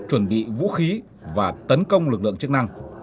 chuẩn bị vũ khí và tấn công lực lượng chức năng